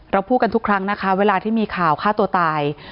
พูดกันทุกครั้งนะคะเวลาที่มีข่าวฆ่าตัวตาย